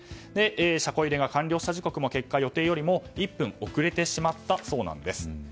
車庫入れが完了した時刻も結果、予定よりも１分遅れてしまったそうなんです。